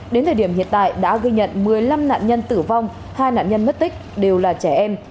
đến thời điểm hiện tại đã ghi nhận một mươi năm nạn nhân tử vong hai nạn nhân mất tích đều là trẻ em